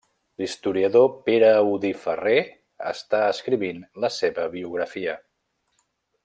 L'historiador Pere Audí Ferrer està escrivint la seva biografia.